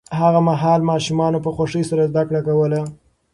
هغه مهال ماشومانو په خوښۍ سره زده کړه کوله.